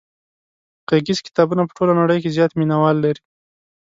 غږیز کتابونه په ټوله نړۍ کې زیات مینوال لري.